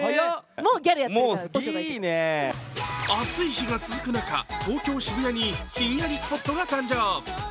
暑い日が続く中、東京・渋谷にひんやりスポットが登場。